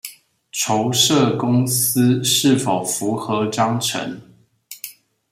籌設公司是否符合章程